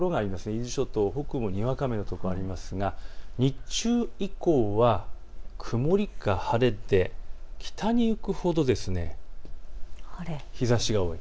伊豆諸島北部もにわか雨の所がありますが日中以降は曇りか晴れで北に行くほど日ざしが多い。